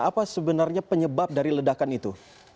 apa sebenarnya penyebab dari ledakan itu